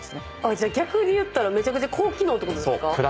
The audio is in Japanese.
じゃ逆に言ったらめちゃくちゃ高機能ってことですか？